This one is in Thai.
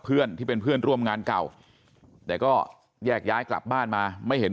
เพื่อนที่เป็นเพื่อนร่วมงานเก่าแต่ก็แยกย้ายกลับบ้านมาไม่เห็น